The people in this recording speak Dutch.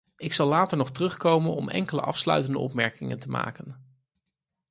Ik zal later nog terugkomen om enkele afsluitende opmerkingen te maken.